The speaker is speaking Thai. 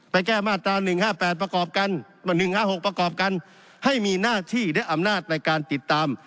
ไปแก้มาตรา๑๕๖ประกอบกันให้มีหน้าที่ได้อำนาจในการติดตาม